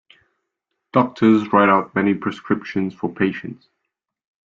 Doctor's write out many prescriptions for patients.